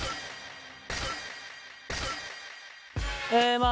えまあ